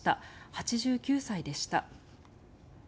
８９歳でした。